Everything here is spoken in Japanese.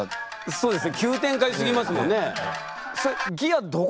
そうですね。